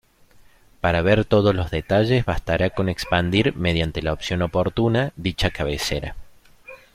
Para ver todos los detalles bastará con expandir, mediante la opción oportuna, dicha cabecera.